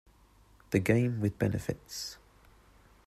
The Game with Benefits.